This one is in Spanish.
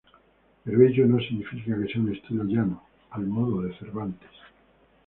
Pero ello no significa que sea un estilo llano, al modo de Cervantes.